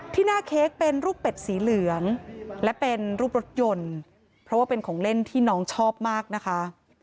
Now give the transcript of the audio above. หน้าเค้กเป็นรูปเป็ดสีเหลืองและเป็นรูปรถยนต์เพราะว่าเป็นของเล่นที่น้องชอบมากนะคะ